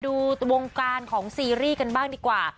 ดูวงการของซีรีส์กันบ้างดีกว่า